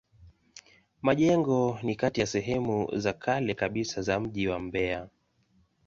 Majengo ni kati ya sehemu za kale kabisa za mji wa Mbeya.